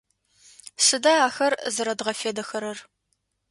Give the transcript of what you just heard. Сыда ахэр зэрэдгъэфедэхэрэр?